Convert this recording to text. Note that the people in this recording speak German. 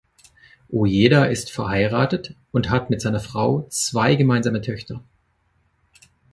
Ojeda ist verheiratet und hat mit seiner Frau zwei gemeinsame Töchter.